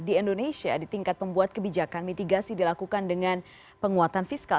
di indonesia di tingkat pembuat kebijakan mitigasi dilakukan dengan penguatan fiskal